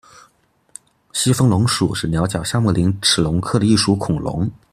西风龙属是鸟脚下目棱齿龙科的一属恐龙。